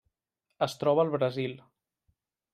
Es troba al Brasil.